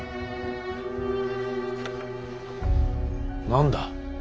何だ。